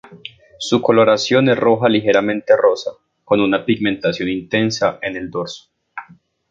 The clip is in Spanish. Su coloración es roja ligeramente rosa, con una pigmentación intensa en el dorso.